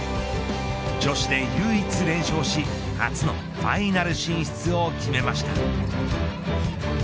女子で唯一連勝し初のファイナル進出を決めました。